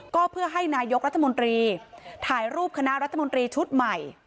ก็เพื่อให้นายกรัฐมนตรีถ่ายรูปคณะรัฐมนตรีชุดใหม่